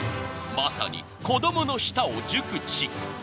［まさに子供の舌を熟知］